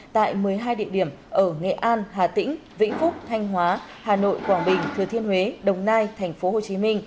tại một mươi hai địa điểm ở nghệ an hà tĩnh vĩnh phúc thanh hóa hà nội quảng bình thừa thiên huế đồng nai tp hcm